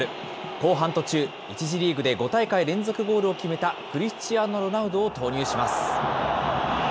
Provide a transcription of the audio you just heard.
後半途中、１次リーグで５大会連続ゴールを決めたクリスチアーノ・ロナウドを投入します。